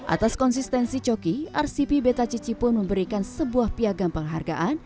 atas konsistensi coki rcp beta cici pun memberikan sebuah piagam penghargaan